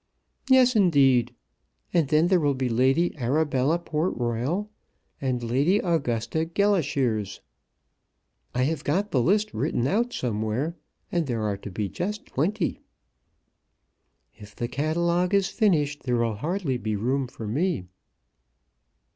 "Yes, indeed. And then there will be Lady Arabella Portroyal, and Lady Augusta Gelashires. I have got the list written out somewhere, and there are to be just twenty." "If the catalogue is finished there will hardly be room for me."